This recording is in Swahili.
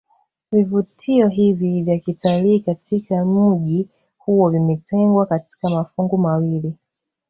Vivutio hivi vya kitalii katika mji huu vimetengwa katika mafungu mawili